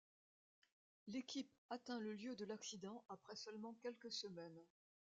L'équipe atteint le lieu de l'accident après seulement quelques semaines.